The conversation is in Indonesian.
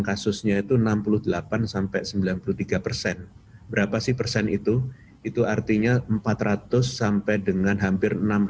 kasusnya itu enam puluh delapan sampai sembilan puluh tiga persen berapa sih persen itu itu artinya empat ratus sampai dengan hampir